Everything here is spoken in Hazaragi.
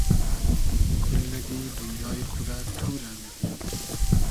کوللئگی دونیای خو رۂ تو رۂ میدیم